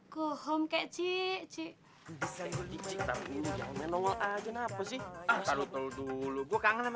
go home ke cik cik bisa ngomong aja ngapa sih dulu dulu gua kangen sama